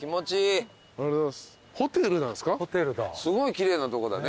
すごい奇麗なとこだね。